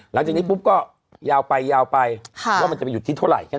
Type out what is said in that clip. หลังจากนี้ปุ๊บก็ยาวไปยาวไปว่ามันจะไปหยุดที่เท่าไหร่